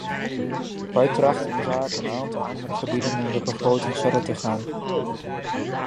Wij trachten inzake een aantal andere gebieden in de begroting verder te gaan.